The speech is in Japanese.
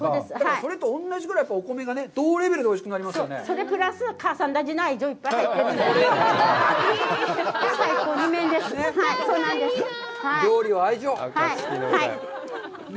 それと同じぐらいお米が、同レベルでおいしくなりますよね。